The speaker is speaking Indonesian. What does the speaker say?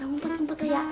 udah ngumpet ngumpet aja